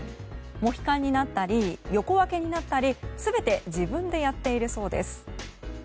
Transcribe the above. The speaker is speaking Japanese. モヒカンになったり横分けになったり全て自分でやっているそうです。